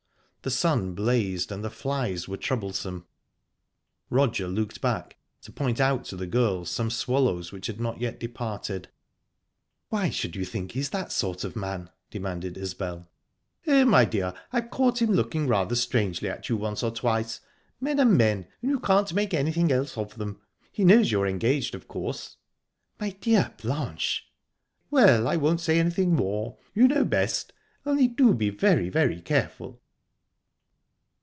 The sun blazed, and the flies were troublesome. Roger looked back, to point out to the girls some swallows which had not yet departed. "Why should you think he's that sort of man?" demanded Isbel. "Oh, my dear, I've caught him looking rather strangely at you once or twice. Men are men and you can't make anything else of them. He knows you're engaged, of course?" "My dear Blanche!..." "Well, I won't say anything more. You know best. Only, do be very, very careful."